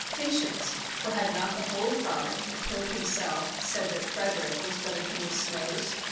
Patience! for had not the Holy Father, the Pope himself, said that Frederick was but a king of snows?